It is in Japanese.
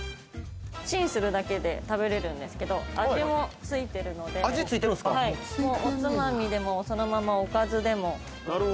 チンするだけで食べれるんですけど、味もついてるので、おつまみでも、そのままおかずでも。